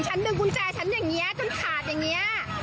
ดึงกุญแจฉันอย่างนี้จนขาดอย่างนี้